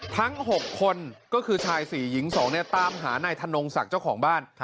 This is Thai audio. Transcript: ทั้ง๖คนก็คือชาย๔หญิง๒ตามหานายธนงศักดิ์เจ้าของบ้าน